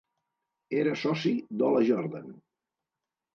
Era soci d'Ola Jordan.